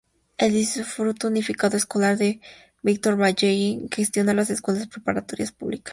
El Distrito Unificado Escolar de Victor Valley High gestiona las escuelas preparatorias públicas.